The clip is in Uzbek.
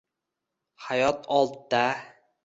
Hayot oldda…